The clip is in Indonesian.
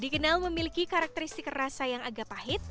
dikenal memiliki karakteristik rasa yang agak pahit